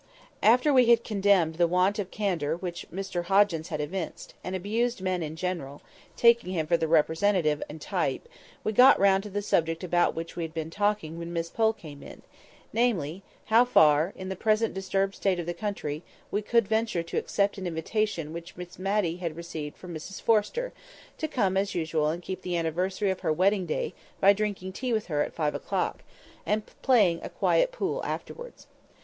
After we had duly condemned the want of candour which Mr Hoggins had evinced, and abused men in general, taking him for the representative and type, we got round to the subject about which we had been talking when Miss Pole came in; namely, how far, in the present disturbed state of the country, we could venture to accept an invitation which Miss Matty had just received from Mrs Forrester, to come as usual and keep the anniversary of her wedding day by drinking tea with her at five o'clock, and playing a quiet pool afterwards.